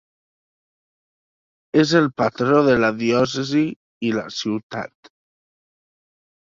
És el patró de la diòcesi i la ciutat.